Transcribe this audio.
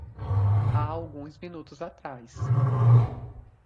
Há alguns minutos atrás